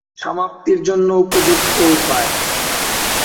সমাপ্তির জন্য উপযুক্ত উপায়।